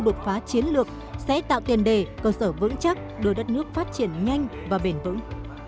đột phá chiến lược sẽ tạo tiền đề cơ sở vững chắc đưa đất nước phát triển nhanh và bền vững